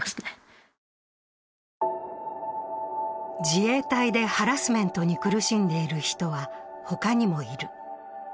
自衛隊でハラスメントに苦しんでいる人は、他にもいる。